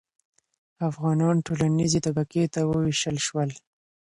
افغانان ټولنیزې طبقې ته وویشل شول.